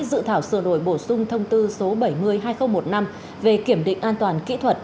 dự thảo sửa đổi bổ sung thông tư số bảy mươi hai nghìn một mươi năm về kiểm định an toàn kỹ thuật